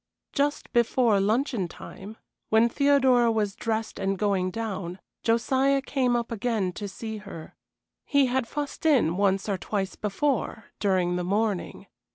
Just before luncheon time, when Theodora was dressed and going down, Josiah came up again to see her. He had fussed in once or twice before during the morning.